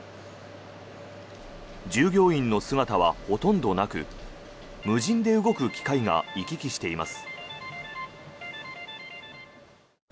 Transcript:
従業員の姿はほとんどなく無人で動く機械が行き来しています。